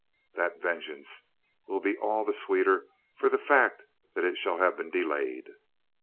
That vengeance will be all the sweeter for the fact that it shall have been delayed."